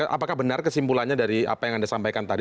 apakah benar kesimpulannya dari apa yang anda sampaikan tadi